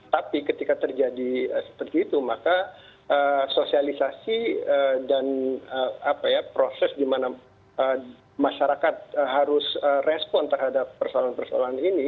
tapi ketika terjadi seperti itu maka sosialisasi dan proses di mana masyarakat harus respon terhadap persoalan persoalan ini